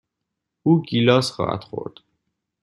او گیلاس خواهد خورد.